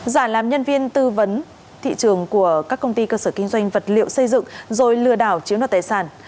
giả làm nhân viên tư vấn thị trường của các công ty cơ sở kinh doanh vật liệu xây dựng rồi lừa đảo chiếm đoạt tài sản